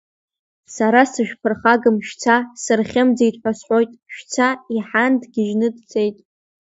Сара сышәԥырхагам, шәца, сырхьымӡет ҳа сҳәот, шәца, иҳан, дгьежьны дцет.